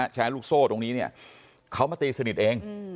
แชร์ลูกโซ่ตรงนี้เนี่ยเขามาตีสนิทเอง